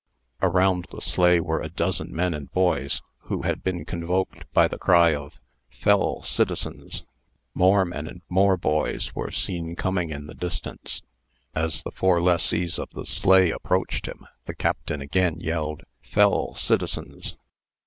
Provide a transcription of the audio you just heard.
Around the sleigh were a dozen men and boys, who had been convoked by the cry of "FELL' CITIZENS!" More men and more boys were seen coming in the distance. As the four lessees of the sleigh approached him, the Captain again yelled, "FELL' CITIZENS!"